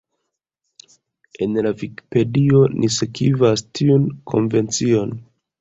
En la Vikipedio ni sekvas tiun konvencion.